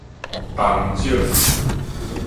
東石